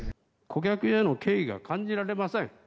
顧客への敬意が感じられません。